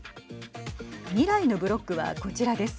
未来のブロックはこちらです。